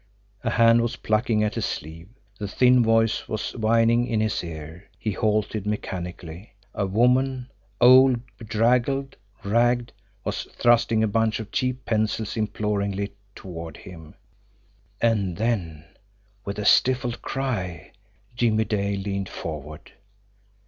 A hand was plucking at his sleeve, the thin voice was whining in his ear. He halted mechanically. A woman, old, bedraggled, ragged, was thrusting a bunch of cheap pencils imploringly toward him and then, with a stifled cry, Jimmie Dale leaned forward.